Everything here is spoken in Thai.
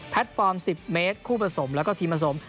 ฟอร์ม๑๐เมตรคู่ผสมแล้วก็ทีมผสม